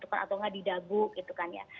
atau nggak di dagu gitu kan ya